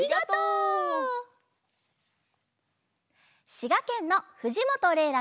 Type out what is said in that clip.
しがけんのふじもとれいら